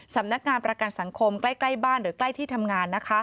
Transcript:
สำนักงานประกันสังคมใกล้บ้านหรือใกล้ที่ทำงาน